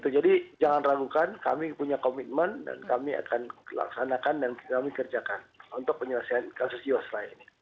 jadi jangan ragukan kami punya komitmen dan kami akan laksanakan dan kami kerjakan untuk penyelesaian kasus jawa seraya ini